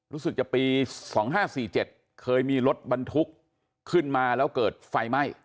รู้สึกจะปี๒๕๔๗เคยมีรถบรรทุกขึ้นมาแล้วเกิดไฟไหม้